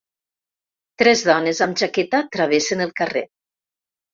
Tres dones amb jaqueta travessen el carrer.